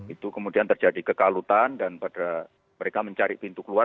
itu kemudian terjadi kekalutan dan pada mereka mencari pintu keluar